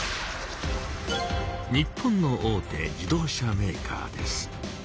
日本の大手自動車メーカーです。